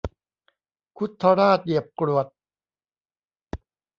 คุดทะราดเหยียบกรวด